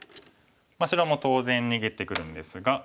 白も当然逃げてくるんですが。